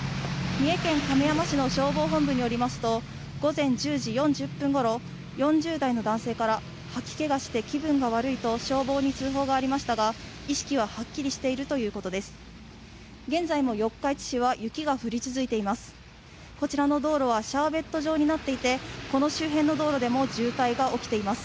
三重県亀山市の消防本部によりますと、午前１０時４０分ごろ、４０代の男性から、吐きけがして気分が悪いと消防に通報がありましたが、意識ははっきりしているということです。